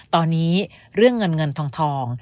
ตอนนี้เรื่องเงินเงินทอง